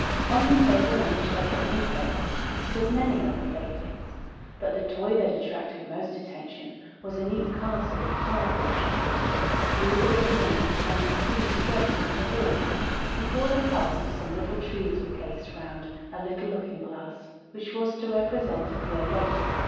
On the table on which they had been placed stood many other playthings, but the toy that attracted most attention was a neat castle of cardboard. Through the little windows one could see straight into the hall. Before the castle some little trees were placed round a little looking glass, which was to represent a clear lake.